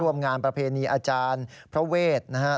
งานประเพณีอาจารย์พระเวทนะครับ